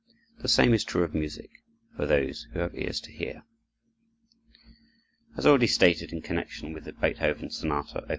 The same is true of music, for those who have ears to hear. As already stated in connection with the Beethoven sonata, Op.